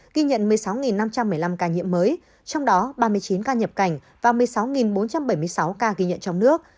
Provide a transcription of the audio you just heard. ghi nhận một mươi sáu năm trăm một mươi năm ca nhiễm mới trong đó ba mươi chín ca nhập cảnh và một mươi sáu bốn trăm bảy mươi sáu ca ghi nhận trong nước